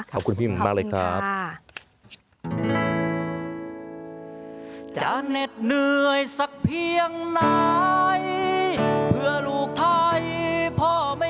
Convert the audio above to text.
ขอบคุณพี่หมิ่งมากเลยครับ